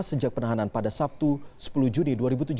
sejak penahanan pada sabtu sepuluh juni dua ribu tujuh belas